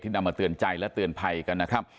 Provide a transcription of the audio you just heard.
นำมาเตือนใจและเตือนภัยกันนะครับ